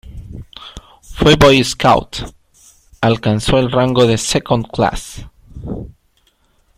Fue boy scout, alcanzó el rango de Second class.